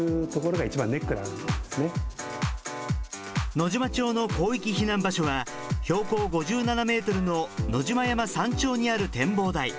野島町の広域避難場所は標高５７メートルの野島山山頂にある展望台。